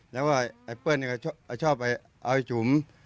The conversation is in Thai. ในว่าเพิ่ญเขาชอบไปเอาไปจุ้ม